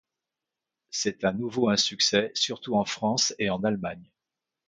C'est à nouveau un succès surtout en France et en Allemagne.